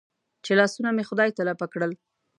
چې لاسونه مې خدای ته لپه کړل.